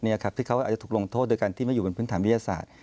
ที่เขาอาจจะถูกลงโทษโดยการที่ไม่อยู่บนพื้นทางวิทยาศาสตร์